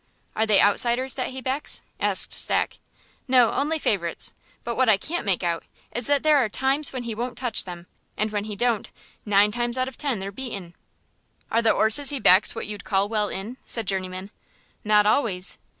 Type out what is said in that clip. "Are they outsiders that he backs?" asked Stack. "No, only favourites. But what I can't make out is that there are times when he won't touch them; and when he don't, nine times out of ten they're beaten." "Are the 'orses he backs what you'd call well in?" said Journeyman. "Not always."